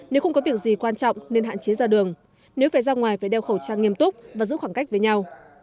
nếu không có việc gì quan trọng nên hạn chế ra đường nếu phải ra ngoài phải đeo khẩu trang nghiêm túc và giữ khoảng cách với nhau